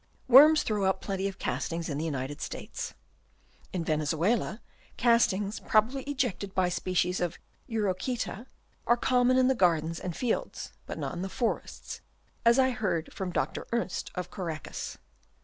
Worms throw up plenty of castings in the United States. In Venezuela, castings, probably ejected by species of Urochseta, are common in the gardens and fields, but not in the forests, as I hear from Dr. Ernst of Caracas.